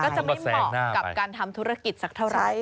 ก็จะไม่เหมาะกับการทำธุรกิจสักเท่าไร